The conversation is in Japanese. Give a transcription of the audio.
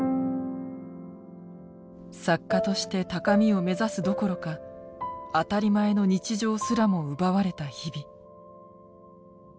作家として高みを目指すどころか当たり前の日常すらも奪われた日々。